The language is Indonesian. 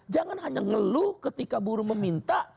jangan hanya ngeluh ketika buruh meminta